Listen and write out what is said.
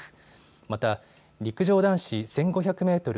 また陸上男子１５００メートル